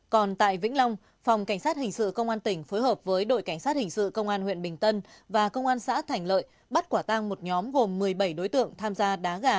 còn tại vĩnh long phòng cảnh sát hình sự công an tỉnh phối hợp với đội cảnh sát hình sự công an huyện bình tân và công an xã thành lợi bắt quả tang một nhóm gồm một mươi bảy đối tượng tham gia đá gà